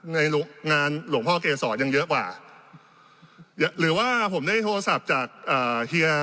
ในงานหลวงพ่อเกษรยังเยอะกว่าหรือว่าผมได้โทรศัพท์จากอ่าเฮีย